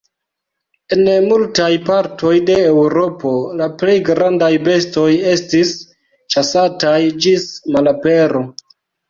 En multaj partoj de Eŭropo la plej grandaj bestoj estis ĉasataj ĝis malapero.